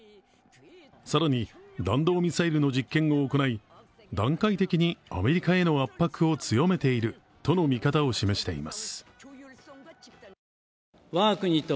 更に弾道ミサイルの実権を行い段階的にアメリカへの圧迫を強めているとの見方を示しています。